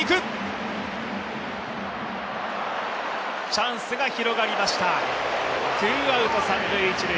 チャンスが広がりました、ツーアウト三・一塁。